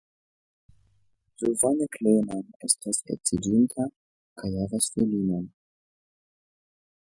Suzanne Klemann estas edziĝinta kaj havas filinon.